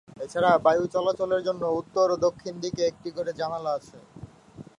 এ ছাড়া বায়ু চলাচলের জন্য উত্তর ও দক্ষিণ দিকে একটি করে জানালা আছে।